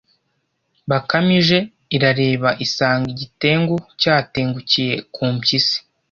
bakame ije, irareba isanga igitengu cyatengukiye ku mpyisi